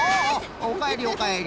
おかえりおかえり。